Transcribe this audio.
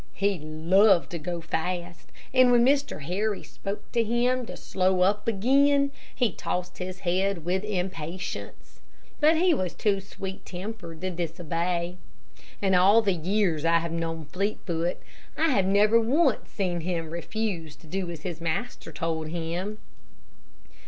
He loved to go fast, and when Mr. Harry spoke to him to slow up again, he tossed his head with impatience. But he was too sweet tempered to disobey. In all the years that I have known Fleetfoot, I have never once seen him refuse to do as his master told him.